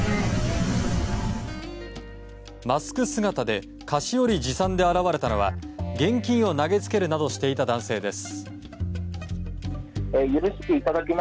マスク姿で菓子折り持参で現れたのは現金を投げつけるなどしていた男性です。